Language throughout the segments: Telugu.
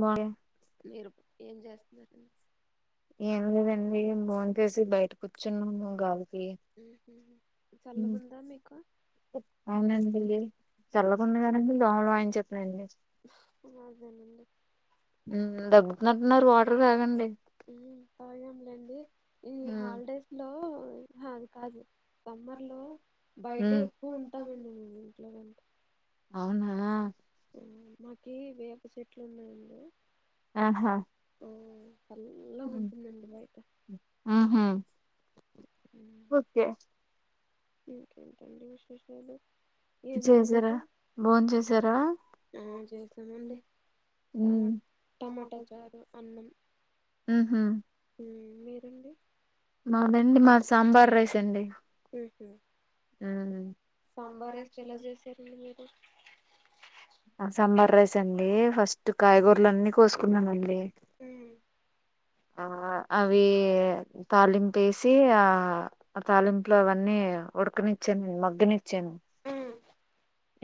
బాయ్ మీరు ఏం చేస్తున్నారండి ఏం లేదండి భోంచేసి బయట కూర్చున్నాము గాలి హ్మ్ హు అవునండి ఏ చల్లగుంది కదండి దోమలు వాయించేస్తున్నాయండి మాకు కాని అండి నటున్నారు వాటర్ తాగండి ఉమ్ తాగాంలేండి ఈ ఉమ్, హాలిడేస్ లో ఆహా అది కాదు సమ్మర్ లో బయటే ఉమ్. ఎక్కువ ఉంటామండి మేము ఇంట్లోకంటే అవునా మాకి వేప చెట్లు ఉన్నాయండి ఆహా చల్లగ ఉంటుందండి బయట ఆహా ఓకే ఇంకేంటండి విశేషాలు ఏం చేసారా తిన్నారు భోం చేసారా ఆ చేసామండి టమా టమాటా చారు అన్నం ఉహు ఉమ్ మీరండి మాదండి మాది సాంబార్ రైస్ అండి ఉహు ఆ సాంబార్ రైస్ ఎలా చేశారండి మీరు సాంబార్ రైసా అండి ఫస్ట్ కాయగూరలన్నీ కోసుకున్నానండి హు ఆ అవి తాలింపు వేసి ఆ ఆ తాలింపులో అవన్నీ ఉడకనిచ్చి నిచ్చాను మగ్గనిచ్చాను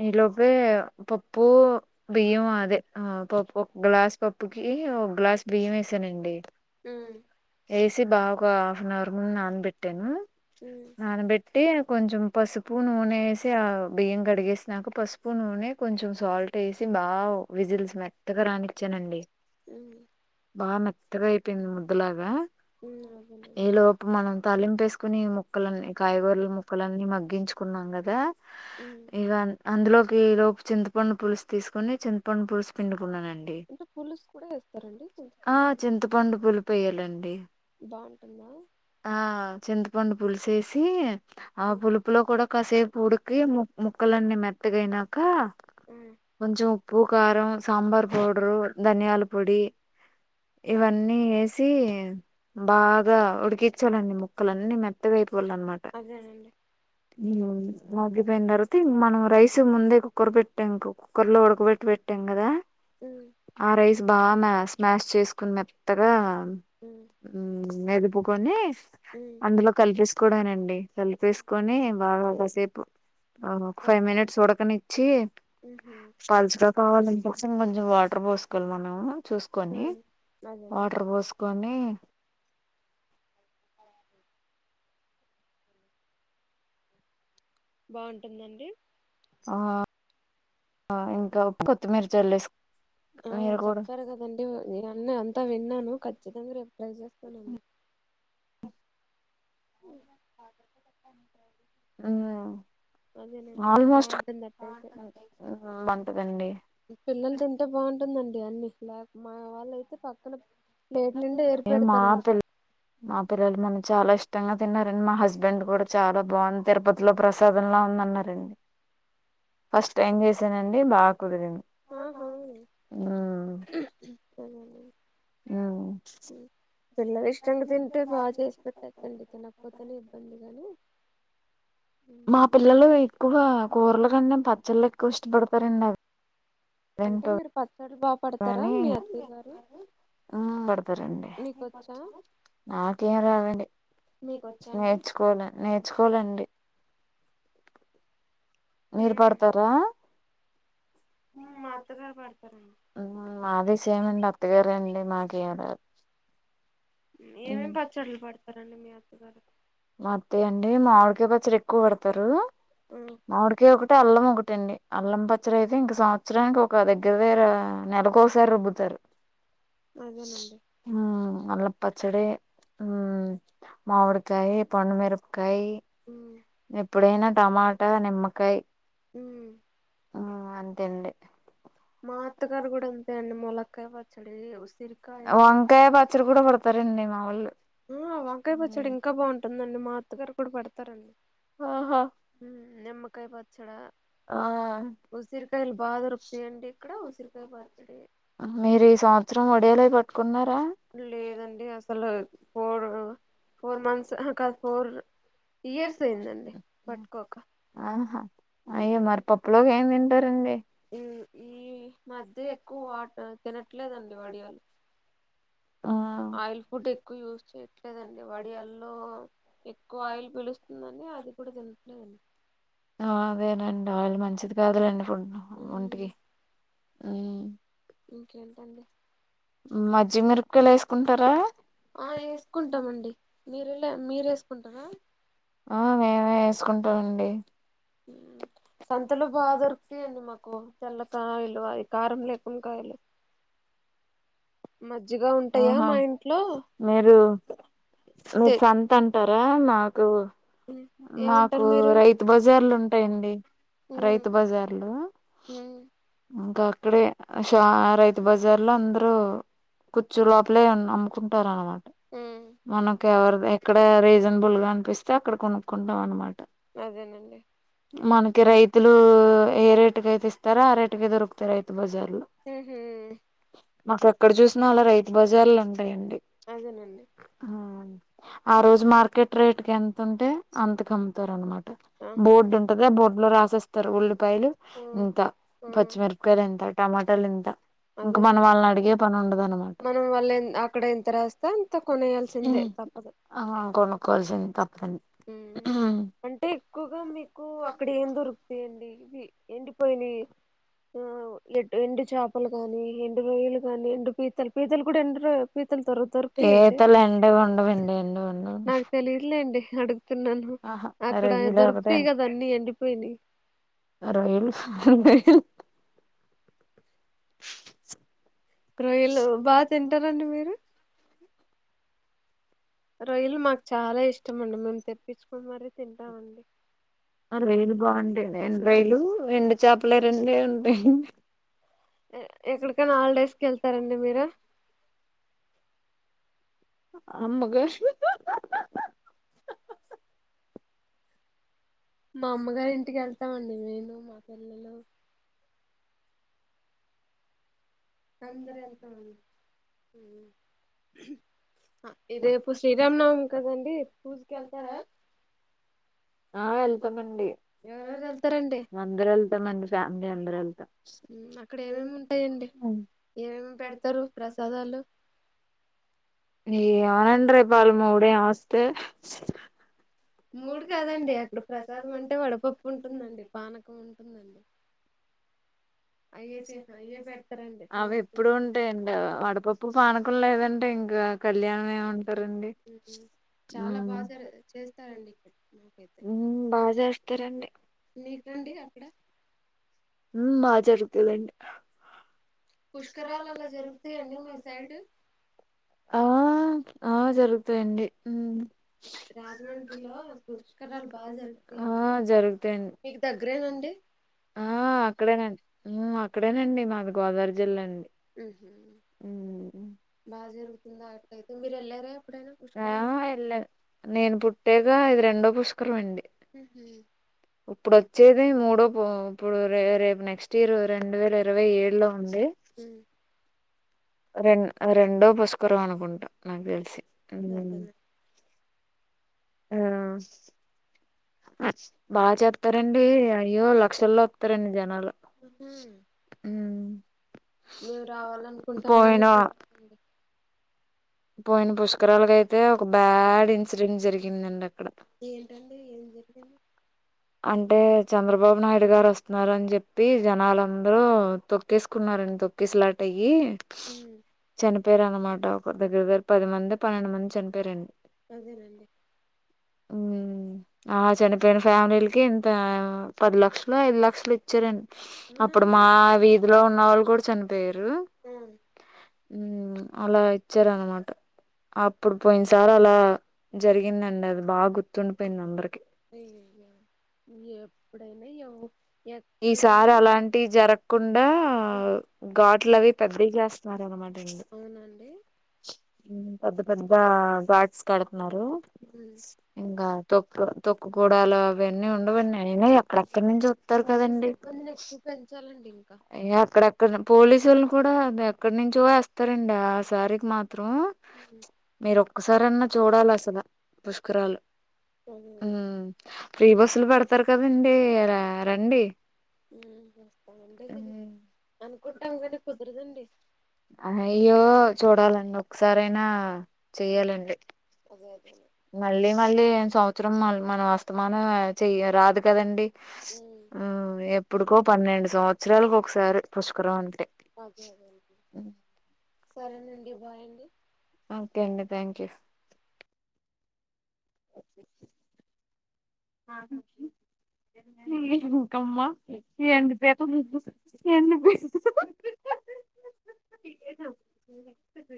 ఈ లోపే పప్పు బియ్యం అదే ఆ పప్పు ఒక గ్లాస్ పప్పుకి ఒక గ్లాస్ బియ్యం వేసానండి అదేనండి వేసి బాగా ఒక హాఫ్ అన్ అవర్ ముందు నానబెట్టాను నానబెట్టి కొంచెం పసుపు నూనె వేసి ఆ బియ్యం కడిగేసినక పసుపు నూనె కొంచెం సాల్ట్ వేసి బాగా విజిల్స్ మెత్తగ రానిచ్చానండి బాగా మెత్తగా అయిపోయింది ముద్దలాగా ఈలోపు మనం తాలింపు వేస్ కొని ముక్కలన్నీ కాయగూరల ముక్కలన్నీ మగ్గించుకున్నాం కదా ఉమ్. ఇక అందులోకి ఈలోపు చింతపండు పులుసు తీసుకొని చింతపండు పులుసు పిండు అంటే పులుసు కూడా వేస్తారండి ఆ చింతపండుది చింతపండు పులిపేయాలండి బాగుంటుందా ఆ చింత చింతపండు పులుసు ఏసీ ఆ ఉమ్, పులుపులో కూడా కాసేపు ఉడికి ముక్కలన్నీ మెత్తగైనాక ఉమ్, కొంచెం ఉప్పు కారం సాంబార్ పౌడరు ధనియాల పొడి అ- ఇవన్నీ ఏసి సి బాగా ఉడికించాలండి ముక్కలన్నీ మెత్తగయి కోవాలన్నమాట అదేనండి ఉమ్ అవును ఆగిపోయిన తర్వాత మనం రైస్ ముందే కుక్కరు పెట్టాం ఇంకో కుక్కర్లో ఉడకబెట్టి పెట్ట పెట్టాం కదా ఉమ్, ఆ రైస్ బాగా మ స్మాష్ చేసుకుని మెత్తగా ఉమ్, మెదుపుకొని ఉమ్, అందులో కలిపేసుకు కూడానండి కలిపేసుకొని బాగా కాసేపు ఒక అద్- ఫైవ్ మినిట్స్ ఉడకని చి ఉహుం, పలుచగా కావాలంటటే ఇంకొంచెం వాటర్ పోసుకోవాలి మనము చూసుకొని ఉమ్, అదేనండి వాటర్ పోసుకొని బాగుంటుందండి ఆ ఇంకా కొత్తిమీర ఆ చల్లేసుకొని చెప్పారు కదండి నేను అన్న అంతా విన్నాను ఖచ్చితంగా రేపు ట్రై చేస్తానండి [inaudible] ఇంగ అదేనండి ఆల్మోస్ట్ బాగుంటుంది అట్టయితే బాగుంటది అండి పిల్లలు తింటే బాగుంటుందండి అన్ని మా వాళ్ళయితే పక్కన ప్లేట్ నిండా ఏరి మా పెడతారండి పిల్ల మా పిల్లలు మనకి చాలా ఇష్టం ఇష్టంగా తిన్నారండి మా హస్బెండ్ కూడా చాలా బాగుంది తిరుపతిలో ప్రసాదంలా ఉందన్నారండి. ఫస్ట్ టైం చేసానండి బాగా కుదిరింది ఆహ సరే [inaudible] ఊ పిల్లలు ఇష్టంగా తింటే బాగా చేసి పెట్టచ్చు అండి తినకపోతేనే ఇబ్బంది గాని మా ఉమ్, పిల్లలు ఎక్కువ కూరల కన్నా పచ్చళ్ళు ఎక్కువ ఇష్టపడతారండి అది అంటే మీరు పచ్చళ్లు బాగా పేడతారా మీ అత్తయ్య గారు ఆ పేడుతారండి మీకొచ్చా నాకేం రాదండి మీకొచ్చా అండి నేర్చుకోలే నేర్చుకోలే అండి మీరు ఉమ్, పేడతారా ఉమ్, మా అత్తగారు పడతారండి ఉమ్ మాది సేమ్ అండి అత్తగారే అండి నాకు ఎమ్ రాదు ఉ ఏమేమి పచ్చళ్ళు పడతారండి మీ అత్తగారు మా అత్తయ్య అండి మామిడికాయ పచ్చడి ఎక్కువ పేడతారు ఆ, మామిడికాయ ఒకటి అల్లం ఒకటీ అండి అల్లం పచ్చడి అయితే ఇంక సంవత్సరానికి ఒక దగ్గర దగ్గర నెలకు ఒకసారి రుబ్బుతారు అదేనండి ఉమ్, అల్లం పచ్చడి హు మామిడికాయ పండుమిరపకాయ్ ఉమ్, ఎప్పుడైనా టమాటా, నిమ్మకాయ ఉ ఆ అంతే అండి అత్తగారు కూడా అంతే అండి ములక్కాయ పచ్చడి ఉసిరికాయ వంకాయ పచ్చడి కూడా పేడుతు పే రండి మా వోళ్ళు ఊ వంకాయ పచ్చాడి ఇంకా బాగుంటుందండి మా అత్తగారు కూడా పేడతారండి ఆహా హు నిమ్మకాయ పచ్చడ ఆ ఉసిరికాయలు బాగా దొరుకుతాయి అండి ఇక్కడ ఉసిరికాయ పచ్చడి ఆ మీరు ఈ సంవత్సరం ఒడియాల ఏవీ పేట్ట లేదండి అసలు ఫోర్ ఫోర్ మంత్స్ ఆహా కాదు ఫోర్ ఇయర్స్ అయిందండి పట్టుకో అక్క ఆహా అయ్యో మరి పప్పులోకి ఏం తింటారండి ఉ ఈ మధ్య ఎక్కువ వాట తినట్లేదండి వడియలు ఆ ఆయిల్ ఫుడ్ ఎక్కువ యూజ్ చేయట్లేదండి వడియాల్లో ఎక్కువ ఆయిల్ పిలుస్తుందని అది కూడా తినట్లేదు అండి ఆ అదే అనండి ఆయిల్ మంచిది కాదులేండి ఫుడ్ ఉమ్, ఒంటికి ఊ ఇంకేంటండి మజ్జిగ మిరపకాయలు వేసుకుంటారా ఆ వేసుకుంటామండి మీరేలా మీరు వేసుకుంటారా ఆ మేమే వేసుకుంటామండి ఉ సంతలో బాగా దొరుకుతాయండి మాకు తెల్లకాయలు అది కారం లేకుండా కాయలు మజ్జిగ ఉంటాయా ఆహా మా ఇంట్లో మీరు మీరు తె సంత అం ఉంటారా నాకు నాకు ఏమంటారు మీరు రైతు బజార్లు ఉంటాయండి ఉమ్ రైతు బజార్ లో ఉమ్ గా రే ష రైతు బజార్ లో అందరు కూర్చు లోపలే అమ్ముకుంటారు అనమాట ఉ ఎవరు ఎక్కడ రీజనబుల్ గా అనిపిస్తే అక్కడ కొనుక్కుంటాం అనమాట అదేనండి మనకి రైతులు ఏ రేటుక అయితే ఇస్తారో ఆ రేటుక దొరుకుతాయి రైతు బజార్లు ఉహు మాకు ఎక్కడ చూసిన ఆలా రైతు బజార్ అండి అదేనండి ఆ రోజు మార్కెట్ రేట్ క ఎంత ఉంటే అంతకు అమ్ముతారు అనమాట ఆ బోర్డు ఉంటది బోర్డు లో రాసేస్తారు ఒళ్ళ రూపాయలు ఆ ఇంత ఆ పచ్చిమిరపయలు ఎంత టమాటాలు ఇంత ఇంక మన అదేనండి వాళ్ళని అడిగే పని ఉండదా మనం వాళ్ళ అక్కడ ఎంత రాస్తే అంత కొనేయాల్సిందే హ్మ్ తప్పదు అహ కొనుక్కోవాల్సింది తప్ప అంటే ఎక్కువగా మీకు అక్కడ ఏం దొరుకుతాయండి ఎండి పోయినయ్ ఉహు ఎ ఎండు చేపలు గాని ఎండు రొయ్యలు కాని ఎండు పీతలు పీతలు కూడా ఎండు అత్తను త్వర దొకుతయ అండి పీతలు ఎండవి ఉండవండి ఎండవి ఉండవు నాకు తెలి ఇర్లే అండి న్నాను ఆహా అక్కడ రొయ్యలు దొకుతాయి కదా అన్నీ ఎండిపోనయి ఆ రొయ్యలు రోయ్యాలు రొయ్యలు అ బాగా తింటారండి మీరు బ రొయ్యలు మాకు చాలా ఇష్టం అండి మేము తెప్పించుకొని మరీ తింటామండి అరేను బా ఎండ రైలు ఎండు చేపలే రెండే ఉంట ఎక్కడికైనా హాలిడేస్ కి వెళ్తారండి మీరు అమ్మకారు మా అమ్మగారి ఇంటికి వెళ్తామండి మేను మా పిల్లలు అంద్ర ఏల్ తఅండీ ఇ రేపు శ్రీరాంనవమీ కదండి పూజకి వెళ్తారా ఎవరెవరు వెళ్తారండి అందర వెళ్తామండి ఫ్యామిలీ అందరు వెళ్తాం అక్కడ ఏమేమి ఉంటాయండి ఏమేమి పెడతారు ప్రసాదాలు ఏయ ఆనండ్రే పాల్మ మొగడు ఆస్ మూడు కాదండి అక్కడ ప్రసాదం అంటే వడపప్పు ఉంటుందండి పానకం ఉంటుందండి అయ్యతే అయ్యే పెడతారండి అవి ఎప్పుడు సంవత్సరం ఉంటాయండి వడపప్పు పానకులు లేదండి అంటే ఇంకా కళ్యాణం ఏమండి సరే అండి ఉమ్. చాలా బాగా జ చేస్తారండి ఇక్కడ మాకైతే హు బాగా చేస్త అండి ము మీకండి అక్కడ బాగా జరుగుతుందండి పుష్కరాలు అలా జరుగుతాయండి మీ సైడ్ ఆ జరుగు [inaudible] తేడి హ్మ్ రాజమండ్రిలో పుష్కరాలు బాగా జరుగుతాయండి ఆ మీకు దగ్గరేనండి జరుగుతాయిఅండీ ఆ అక్కడేనండి అక్కడేనండి మాది గోదావరి జిల్లా అండి ఉహు. ఉ బాగా జరుగుతుందా అట్లయితే మీరు వెళ్ళారా ఎప్పుడైనా ఆ పుష్కరాలకు ఎలా నేను పుట్టేక ఇ రెండో పుష్కరం అండీ అండి హ ఇప్పుడు వచ్చేది మూడో ఇప్పుడు రే రేపు నెక్స్ట్ ఇయర్ రెండు వేల ఇరవై ఏడు లో ఉండి హ్మ్ రెం రెండో పుష్కరం అనుకుంటాం నాకు తెలిసి హ్మ్ ఆ బాగా చెప్తారండి అయ్యో లక్షల్లో వస్తారండి జనాలు ఉ హ్మ్ ఉమ్. మేము రావాలనుకుంటాం గాని పోయిన కొ [inaudible] పోయిన పుష్కరాలకు అయితే ఒక బ్యాడ్ ఇన్సిడెంట్ జరిగిందండి అక్ ఏంటండి ఏం జరిగింది అంటే చంద్రబాబు నాయుడు గారు వస్తున్నార్ అన్ చెప్పి జనాలందరూ తొక్కేసుకున్నారు తొక్కిస్లాటై యీ ఉమ్ చనిపోయారు అన్నమాట ఒక దగ్గర దగ్గర పది మంది పన్నెండు మంది చనిపోయారండి అదేనండి అలా చనిపోయిన ఫ్యామిలీలికి కి ఇంత పది లక్షలో ఐదు లక్షలో ఇచ్చారండి అవునా అప్పుడు అండి మా వీధిలో ఉన్న ఆవిడ కూడా చనిపోయారు హ్మ్ హ్మ్ అలా ఇచ్చారు అన్నమాట అప్పుడు పోయిన సారి అలా జరిగిందండి అది బా గుర్తుండిపోయింది అందరికి అయ్యయ్యో ఎప్పుడైనా ఈసారి ఎక్కడైనా అలాంటివి జరగకుండా ఉమ్ ఘాట్లు అవి పెద్దయి చేస్త వారన్నమాట ఇదు అవునండి పెద్ద పెద్ద ఘాట్స్ కడతన్నారు ఉమ్ ఇంకా తొక్కు తొక్కుకోడాలు అవన్నీ ఉండవండి అయినా ఎక్కడెక్కడి నుంచో వస్తారు పోలీస్ కదండి సిబ్బందిని ఎక్కువ పెంచాలండి ఇంకా అక్కడక్కడ పోలీసులను కూడా అది ఎక్కడి నుంచో వేస్తారండి ఆ సారికి మాత్రం ఉమ్ మీరు ఒక్కసారన్నా చూడాల అసలు పుష్కరాలు అదే అండి హ్మ్ ఫ్రీ బస్సులు పెడతారు కదండి రండి ఉమ్ వస్తామండి కదా హ్మ్ అనుకుంటాం గాని కుదరదండి అ అయ్యో చూడాలండి ఒక్కసారయినా ఉమ్ చెయ్యాలండి అదే అదేనండి మళ్ళీ మళ్ళీ సంవత్సరం మ మనం అస్తమానం చెయ్య రాదు కదండి ఉమ్ ఆ ఎప్పుడుకో పన్నెండు సంవత్సరాలకు ఒకసారి పుష్కరం అంటే అదే అదే అండి సరేనండి బాయ్ అండి ఓకే అండి థ్యాంక్ యూ ఆ [unintelligible] [unintelligible]